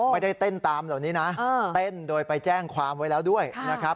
ไม่ได้เต้นตามเหล่านี้นะเต้นโดยไปแจ้งความไว้แล้วด้วยนะครับ